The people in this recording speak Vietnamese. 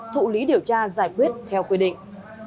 thụ lý điều tra giải quyết theo quy định